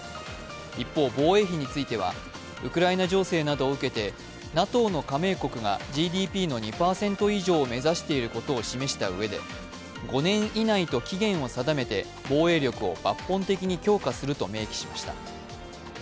一方、防衛費については、ウクライナ情勢などを受けてＮＡＴＯの加盟国がＧＤＰの２％以上を目指していることを示したうえで５年以内と期限を定めて防衛力を抜本的に強化すると明記しました。